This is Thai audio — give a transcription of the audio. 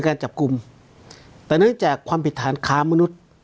การจับกลุ่มแต่เนื่องจากความผิดฐานค้ามนุษย์